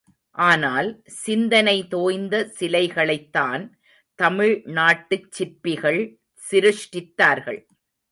ஆனால், சிந்தனை தோய்ந்த சிலைகளைத்தான், தமிழ்நாட்டுச் சிற்பிகள் சிருஷ்டித்தார்கள்.